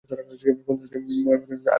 কানসাসের ম এর মতো চোখ আর কারো নেই।